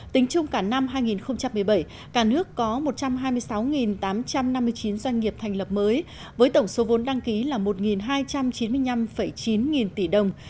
tính chung cả năm hai nghìn một mươi bảy cả nước có một trăm hai mươi sáu tám trăm năm mươi chín doanh nghiệp thành lập mới với tổng số vốn đăng ký là một hai trăm chín mươi năm chín nghìn tỷ đồng